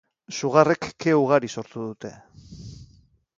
Sugarrek ke ugari sortu dute.